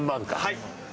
はい。